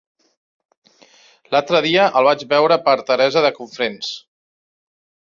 L'altre dia el vaig veure per Teresa de Cofrents.